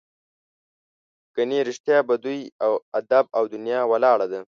ګنې رښتیا په دوی ادب او دنیا ولاړه ده.